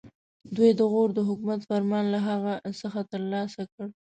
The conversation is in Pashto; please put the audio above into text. دوی د غور د حکومت فرمان له هغه څخه ترلاسه کړ.